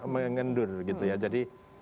mengendur gitu ya jadi